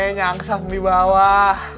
nyangsap di bawah